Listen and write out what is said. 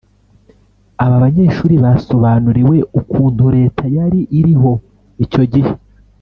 Aba banyeshuri basobanuriwe ukuntu leta yari iriho icyo gihe